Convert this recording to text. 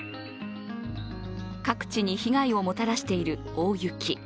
各地に被害をもたらしている大雪。